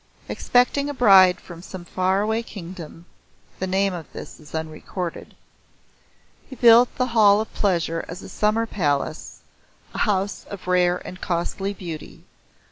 Expecting a bride from some far away kingdom (the name of this is unrecorded) he built the Hall of Pleasure as a summer palace, a house of rare and costly beauty.